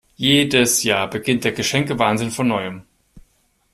Jedes Jahr beginnt der Geschenke-Wahnsinn von Neuem.